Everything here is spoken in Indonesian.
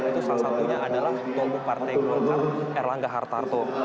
itu salah satunya adalah kubu partai golkar erlangga hartarto